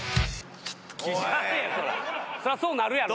そりゃそうなるやろ。